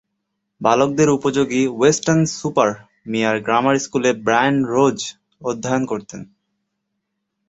বালকদের উপযোগী Weston super Mare grammar স্কুলে ব্রায়ান রোজ অধ্যয়ন করেন।